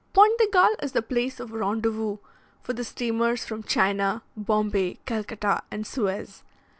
Pointe de Galle is the place of rendezvous for the steamers from China, Bombay, Calcutta, and Suez.